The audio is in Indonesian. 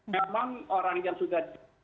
memang orang yang sudah